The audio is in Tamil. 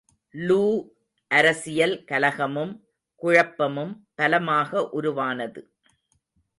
லூ அரசில் கலகமும் குழப்பமும் பலமாக உருவானது.